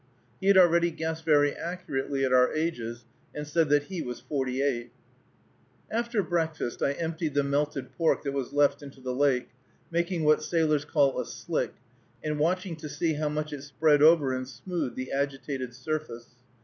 He had already guessed very accurately at our ages, and said that he was forty eight. [Illustration: Squaw Mountain, Moosehead Lake] After breakfast I emptied the melted pork that was left into the lake, making what sailors call a "slick," and watching to see how much it spread over and smoothed the agitated surface.